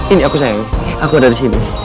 ini aku sayang aku ada di sini